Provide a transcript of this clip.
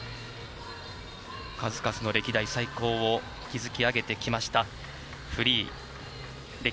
数々の歴代最高を築き上げてきました。